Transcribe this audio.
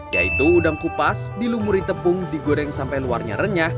yaitu udang kupas dilumuri tepung digoreng sampai luarnya renyah